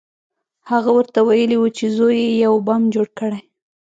هغه ورته ویلي وو چې زوی یې یو بم جوړ کړی